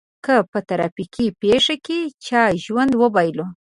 که په ترافيکي پېښه کې چا ژوند وبایلود.